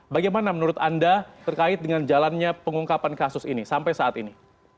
bagaimana menurut anda terkait dengan jalannya pengungkapan kasus ini sampai saat ini